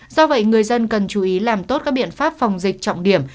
do vậy người dân cần chú ý làm tốt các biện pháp phòng dịch trọng điểm